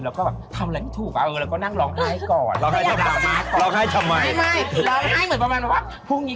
เอ้าจริงเหรออะไรแบบนี้